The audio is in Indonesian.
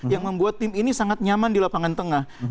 yang membuat tim ini sangat nyaman di lapangan tengah